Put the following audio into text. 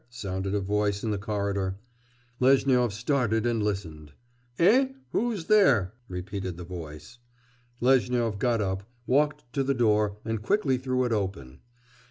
sounded a voice in the corridor. Lezhnyov started and listened. 'Eh? who is there?' repeated the voice. Lezhnyov got up, walked to the door, and quickly threw it open.